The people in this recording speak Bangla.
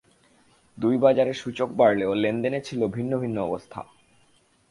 দুই বাজারে সূচক বাড়লেও লেনদেনে ছিল ভিন্ন ভিন্ন অবস্থা।